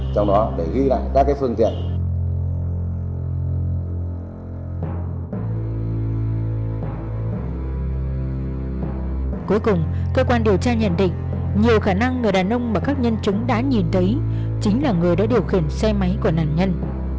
cuối cùng cơ quan điều tra nhận định nhiều khả năng người đàn ông mà các nhân chứng đã nhìn thấy chính là người đã điều khiển xe máy của nạn nhân